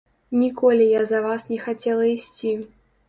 Ніколі я за вас не хацела ісці.